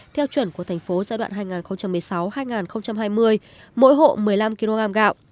theo chuẩn của tp giai đoạn hai nghìn một mươi sáu hai nghìn hai mươi mỗi hộ một mươi năm kg ngàm gạo